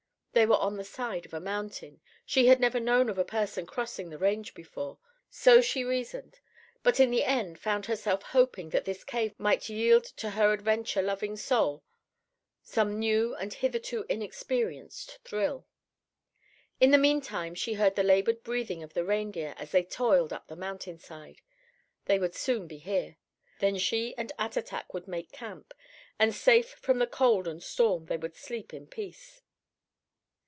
They were on the side of a mountain. She had never known of a person crossing the range before. So she reasoned, but in the end found herself hoping that this cave might yield to her adventure loving soul some new and hitherto inexperienced thrill. In the meantime she heard the labored breathing of the reindeer as they toiled up the mountainside. They would soon be here. Then she and Attatak would make camp, and safe from the cold and storm, they would sleep in peace.